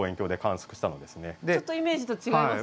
ちょっとイメージと違います。